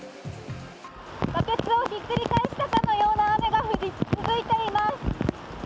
バケツをひっくり返したような雨が続いています。